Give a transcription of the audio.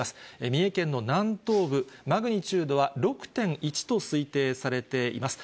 三重県の南東部、マグニチュードは６．１と推定されています。